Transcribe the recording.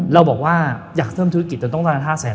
เราบอกว่าอยากเพิ่มธุรกิจจนต้องประมาณ๕แสน